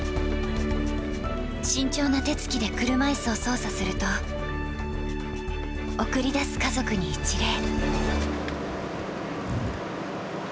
慎重な手つきで車いすを操作すると、送り出す家族に一礼。